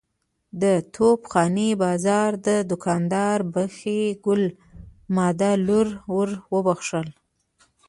د توپ خانې بازار دوکاندار بخۍ ګل ماد لور ور وبخښله.